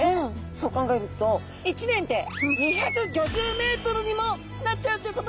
そう考えると１年で２５０ｍにもなっちゃうということです。